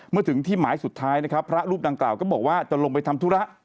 เมื่อถึงที่หมายสุดท้ายนะครับพระรูปดังกล่าวก็บอกว่าจะลงไปทำธุระ